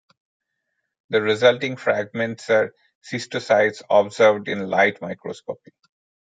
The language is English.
The resulting fragments are the schistocytes observed in light microscopy.